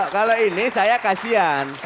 kalau ini saya kasihan